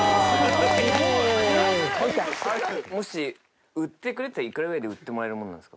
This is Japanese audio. もし売ってくれっていったら、いくらくらいで売ってもらえるものなんですか。